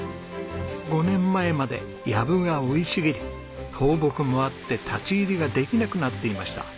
５年前までやぶが生い茂り倒木もあって立ち入りができなくなっていました。